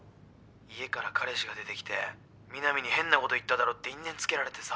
家から彼氏が出て来てみなみに変なこと言っただろって因縁つけられてさ。